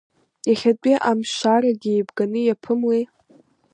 Иахьатәи амшшарагьы еибганы иаԥымлеи.